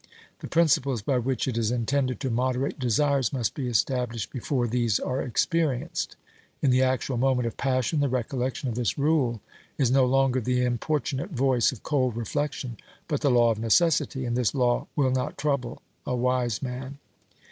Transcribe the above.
The principles by which it is intended to moderate desires must be established before these are experienced. In the actual moment of passion the recollection of this rule is no longer the importunate voice of cold reflection but the law of necessity, and this law will not trouble a wise man.